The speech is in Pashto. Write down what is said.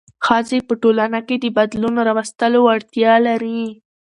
ښځې په ټولنه کې د بدلون راوستلو وړتیا لري.